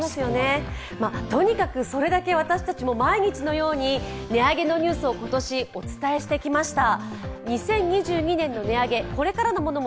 とにかく、それだけ私たちも毎日のように値上げのニュースを今年、お伝えしてきました。